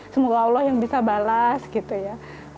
semoga allah yang bisa balas gitu ya